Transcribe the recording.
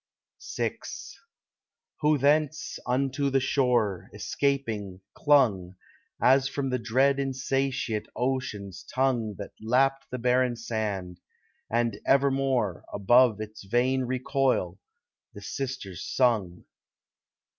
VI Who thence, unto the shore, escaping, clung, As from the dread insatiate ocean's tongue That lapped the barren sand, and evermore, Above its vain recoil, the Sisters sung.